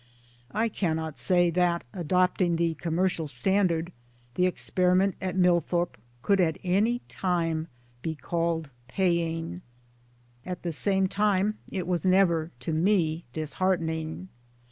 I cannet say that, adopting; the commercial standard, the experiment at Millthorpe could at any time be called paying. At the same time it was never (to me) disheartening.